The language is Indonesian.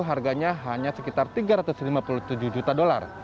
harganya hanya sekitar tiga ratus lima puluh tujuh juta dolar